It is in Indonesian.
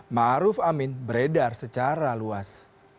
ma'aruf amin beredar secara luas